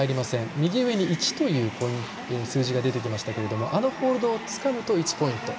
右上に１という数字が出てきてましたけれどもあのホールドをつかむと１ポイント。